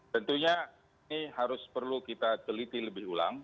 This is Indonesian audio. tentunya ini harus perlu kita teliti lebih ulang